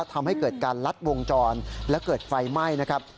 ทำให้เกิดการลัดวงจรและเกิดไฟไหม้นะครับ